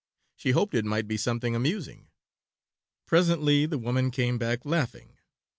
She hoped it might be something amusing. Presently the woman came back laughing.